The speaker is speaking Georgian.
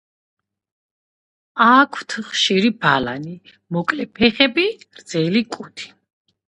აქვთ ხშირი ბალანი, მოკლე ფეხები, გრძელი კუდი.